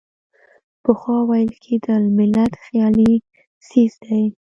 پخوا ویل کېدل ملت خیالي څیز دی.